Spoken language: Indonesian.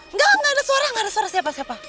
nggak nggak ada suara nggak ada suara siapa siapa